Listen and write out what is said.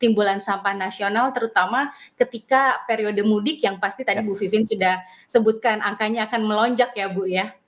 timbulan sampah nasional terutama ketika periode mudik yang pasti tadi bu vivin sudah sebutkan angkanya akan melonjak ya bu ya